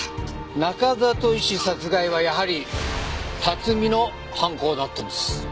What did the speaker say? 中里医師殺害はやはり辰巳の犯行だったんです。